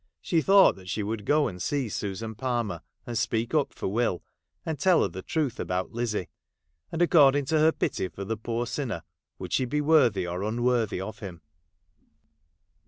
She thought that she would go and see Susan Palmer, and speak up for Will, and toll her the truth about Lizzie ; and according to her pity for the poor sinner, would she bo worthy or unworthy of him.